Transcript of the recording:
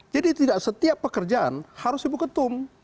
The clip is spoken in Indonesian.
jadi tidak setiap pekerjaan harus ibu ketum